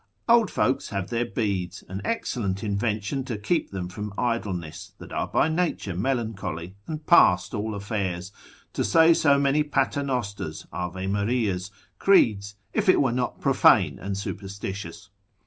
old folks have their beads: an excellent invention to keep them from idleness, that are by nature melancholy, and past all affairs, to say so many paternosters, avemarias, creeds, if it were not profane and superstitious.